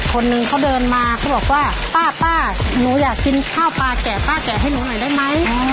คนหนึ่งเขาเดินมาเขาบอกว่าป้าหนูอยากกินข้าวปลาแกะป้าแกะให้หนูหน่อยได้ไหม